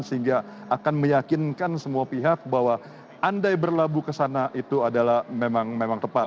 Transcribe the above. sehingga akan meyakinkan semua pihak bahwa andai berlabuh kesana itu memang tepat